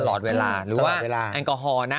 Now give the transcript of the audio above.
ตลอดเวลาหรือว่าแอลกอฮอล์นะ